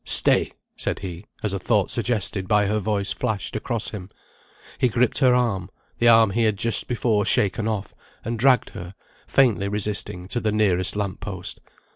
"Stay," said he, as a thought suggested by her voice flashed across him. He gripped her arm the arm he had just before shaken off, and dragged her, faintly resisting, to the nearest lamp post.